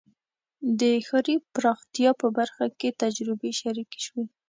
د ښاري پراختیا په برخه کې تجربې شریکې شوې.